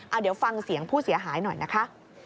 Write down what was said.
เอาเดี๋ยวฟังเสียงผู้เสียหายหน่อยนะคะ